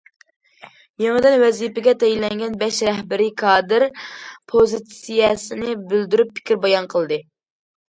يېڭىدىن ۋەزىپىگە تەيىنلەنگەن بەش رەھبىرىي كادىر پوزىتسىيەسىنى بىلدۈرۈپ پىكىر بايان قىلدى.